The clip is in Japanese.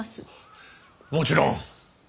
もちろん。